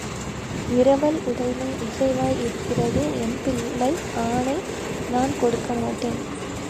இரவல் உடைமை இசைவாய் இருக்கிறது என் பிள்ளை ஆணை, நான் கொடுக்கமாட்டேன்.